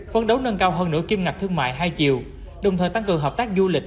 phấn đấu nâng cao hơn nửa kim ngạch thương mại hai chiều đồng thời tăng cường hợp tác du lịch